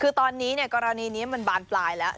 คือตอนนี้กรณีนี้มันบานปลายแล้ว